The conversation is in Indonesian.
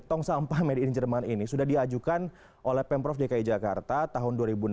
tong sampah made in jerman ini sudah diajukan oleh pemprov dki jakarta tahun dua ribu enam belas